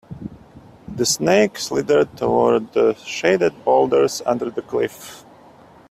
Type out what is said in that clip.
The snake slithered toward the shaded boulders under the cliff.